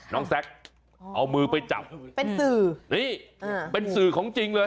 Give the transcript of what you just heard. น้องแซคเอามือไปจับเป็นสื่อเป็นสื่อของจริงเลย